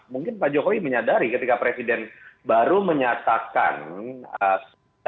mungkin pak jokowi menyadari ketika presiden baru menyatakan secara simbol jagoannya siapa